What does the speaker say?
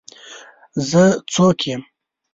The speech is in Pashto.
زه څوک یم؟